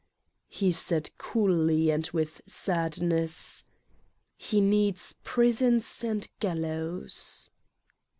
He said coldly and with sadness : "He needs prisons and gallows."